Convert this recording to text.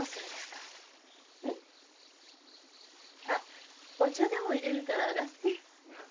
あお茶でも入れるから上がって。